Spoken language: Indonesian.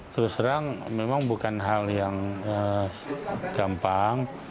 terus terang memang bukan hal yang gampang